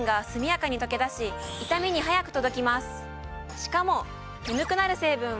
しかも。